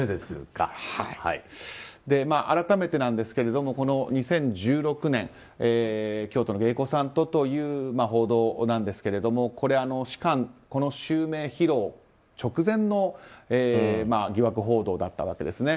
改めてなんですが、２０１６年京都の芸妓さんとという報道なんですがこれ、芝翫の襲名披露直前の疑惑報道だったわけですね。